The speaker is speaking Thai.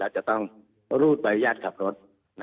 แล้วจะต้องรูดบริญญาณขับรถ